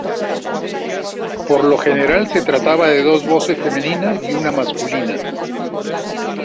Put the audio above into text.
Por lo general se trataba de dos voces femeninas y una masculina.